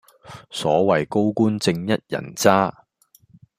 所謂高官正一人渣